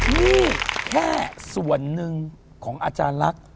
นี่แค่ส่วนหนึ่งของอาจารย์ลักษณ์